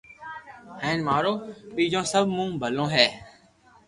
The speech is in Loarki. ھين مارو ٻچو سبو مون ٻلو ھي